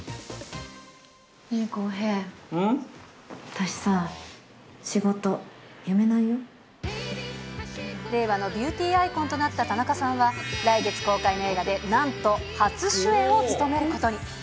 ねえこうへい、私さ、仕事、令和のビューティーアイコンとなった田中さんは、来月公開の映画でなんと初主演を務めることに。